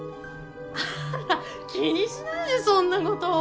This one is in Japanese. あら気にしないでそんなこと。